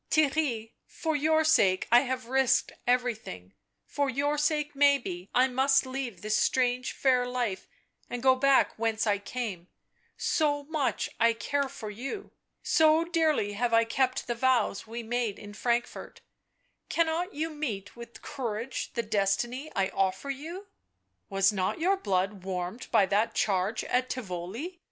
" Theirry — for your sake I have risked everything, for your sake maybe I must leave this strange fair life and go back whence I came — so much I care for you, so dearly have I kept the vows we made in Frankfort — cannot you meet with courage the destiny I offer you ? "Was not your blood warmed by that charge at Tivoli?